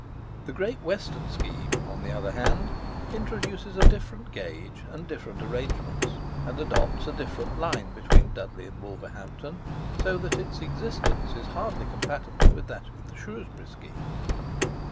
The Great Western scheme, on the other hand, introduces a different gauge and different arrangements, and adopts a different line between Dudley and Wolverhampton, so that its existence is hardly compatible with that of the Shrewsbury scheme.